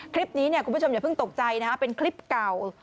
คลิปนี้เนี่ยคุณผู้ชมอย่าเพิ่งตกใจนะฮะเป็นคลิปเก่า